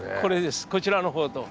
こちらの方と。